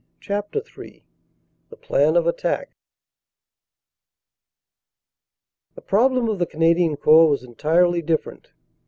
CHAPTER III THE PLAN OF ATTACK THE problem of the Canadian Corps was entirely differ ent.